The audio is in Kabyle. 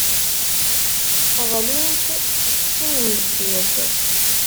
Ɣlint d timendeffirt.